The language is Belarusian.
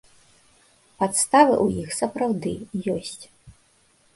Падставы ў іх, сапраўды, ёсць.